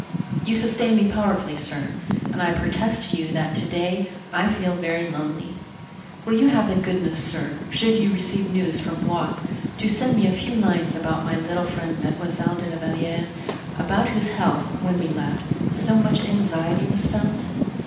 You sustained me powerfully, sir, and I protest to you that to day I feel very lonely. Will you have the goodness, sir, should you receive news from Blois, to send me a few lines about my little friend Mademoiselle de la Valliere, about whose health, when we left, so much anxiety was felt?